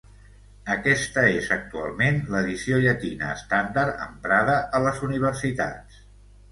Aquesta és actualment l'edició llatina estàndard emprada a les universitats.